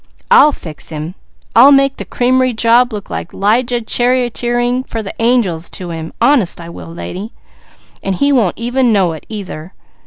I'll fix him. I'll make the creamery job look like 'Lijah charioteering for the angels to him, honest I will lady; and he won't ever know it, either.